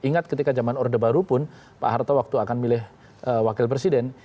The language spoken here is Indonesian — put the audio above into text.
ingat ketika zaman orde baru pun pak harto waktu akan milih wakil presiden